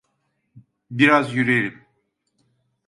Biraz yürüyelim.